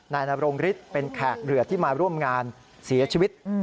นายนรงฤทธิ์เป็นแขกเหลือที่มาร่วมงานเสียชีวิต